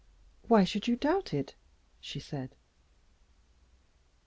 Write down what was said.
"Why should you doubt it?" she said.